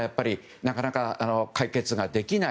なかなか解決ができない。